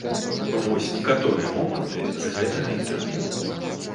Вось некаторыя моманты з гэтага інтэрв'ю.